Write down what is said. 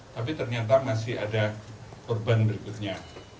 tapi ternyata masih ada korban berikutnya